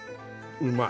うまい。